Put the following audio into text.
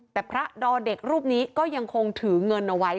แต่พระดอเด็กรูปนี้ก็ยังคงถือเงินเอาไว้